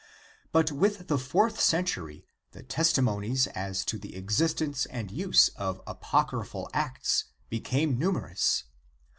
But with the fourth century the testimonies as to the existence and use of apocryphal Acts become numerous.